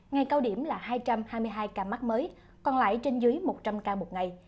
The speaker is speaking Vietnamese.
ngày cao điểm là hai trăm hai mươi hai ca mắc mới còn lại trên dưới một trăm linh ca một ngày